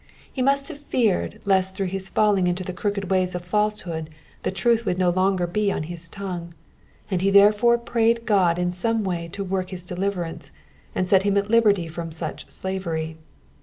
He must have feared lest through his falling into the crooked ways of falsehood the truth would no longer be on his tongue, and he therefore prayed God in some way to work his deliverance, and set him at liberty from such slavery.